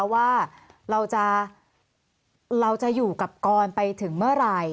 ว่าเราจะอยู่กับกรไปถึงเมื่อไหร่